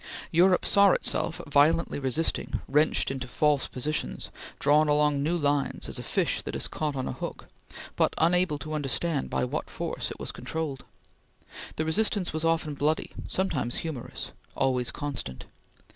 Europe saw itself, violently resisting, wrenched into false positions, drawn along new lines as a fish that is caught on a hook; but unable to understand by what force it was controlled. The resistance was often bloody, sometimes humorous, always constant.